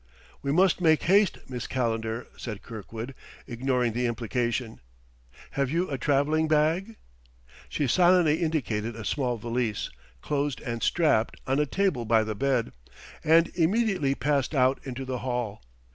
"We must make haste, Miss Calendar," said Kirkwood, ignoring the implication. "Have you a traveling bag?" She silently indicated a small valise, closed and strapped, on a table by the bed, and immediately passed out into the hall.